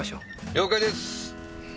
了解です！